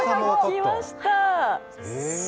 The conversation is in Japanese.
きました！